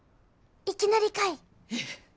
いきなりかい！ええ。